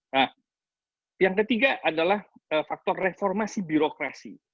nah yang ketiga adalah faktor reformasi birokrasi